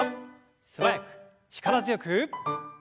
素早く力強く。